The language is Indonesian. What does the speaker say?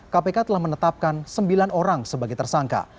kpk telah menetapkan sembilan orang sebagai tersangka